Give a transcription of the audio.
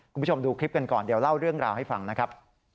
คุณผู้ชมดูคลิปกันก่อนเดี๋ยวเล่าเรื่องราวให้ฟังนะครับ